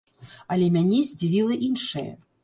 Але мяне здзівіла іншае.